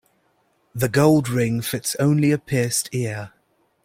The gold ring fits only a pierced ear.